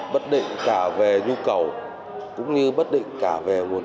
bất định cả về nhu cầu cũng như bất định cả về nguồn